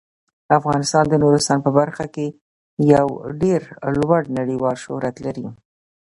افغانستان د نورستان په برخه کې یو ډیر لوړ نړیوال شهرت لري.